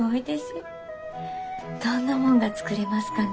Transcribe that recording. どんなもんが作れますかね？